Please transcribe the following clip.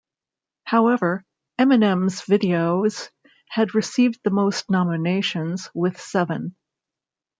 However, Eminem's videos have received the most nominations with seven.